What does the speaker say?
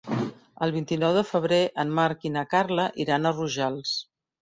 El vint-i-nou de febrer en Marc i na Carla iran a Rojals.